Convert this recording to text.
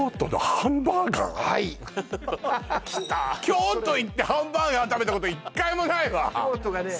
京都行ってハンバーガー食べたこと１回もないわ京都がね